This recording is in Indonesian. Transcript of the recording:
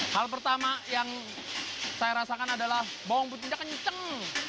hal pertama yang saya rasakan adalah bawang putihnya kenceng